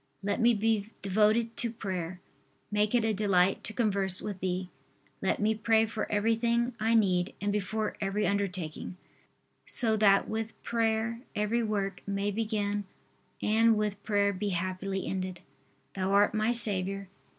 Let me be devoted to prayer. Make it a delight to converse with Thee. Let me pray for everything I need and before every undertaking, so that with prayer every work may begin and with prayer be happily ended. Thou art my Saviour.